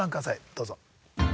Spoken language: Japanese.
どうぞ。